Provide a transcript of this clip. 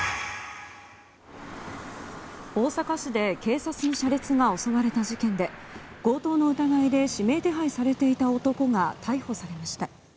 大阪市で警察の車列が襲われた事件で強盗の疑いで指名手配されていた男が逮捕されました。